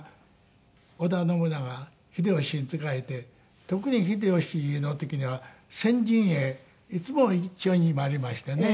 秀吉に仕えて特に秀吉の時には戦陣へいつも一緒に参りましてね。